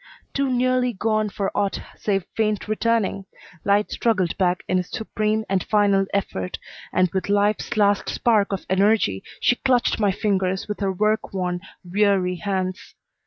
Too nearly gone for aught save faint returning, light struggled back in a supreme and final effort, and with life's last spark of energy she clutched my fingers with her work worn, weary hands.